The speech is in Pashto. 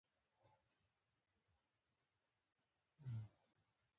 لیکوال یوازې غواړي متدینه ټولنه پر غوږ ووهي.